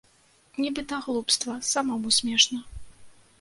Нібыта глупства, самому смешна.